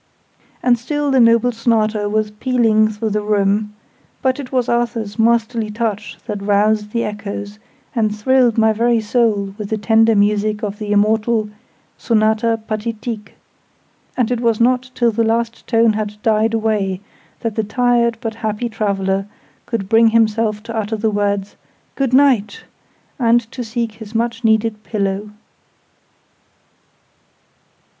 And still the noble Sonata went pealing through the room: but it was Arthur's masterly touch that roused the echoes, and thrilled my very soul with the tender music of the immortal 'Sonata Pathetique': and it was not till the last note had died away that the tired but happy traveler could bring himself to utter the words "good night!" and to seek his much needed pillow.